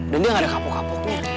dan dia enggak ada kapok kapoknya